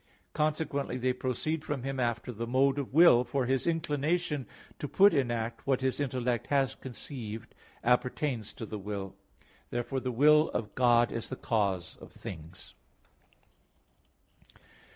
Consequently, they proceed from Him after the mode of will, for His inclination to put in act what His intellect has conceived appertains to the will. Therefore the will of God is the cause of things.